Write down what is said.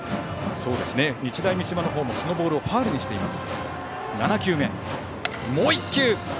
日大三島のほうもそのボールをファウルにしています。